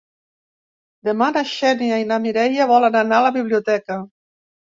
Demà na Xènia i na Mireia volen anar a la biblioteca.